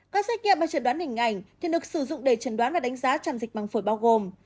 các xét nghiệm và trần đoán hình ảnh thì được sử dụng để trần đoán và đánh giá tràn dịch măng phổi bao gồm